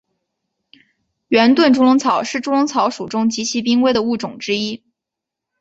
圆盾猪笼草是猪笼草属中极其濒危的物种之一。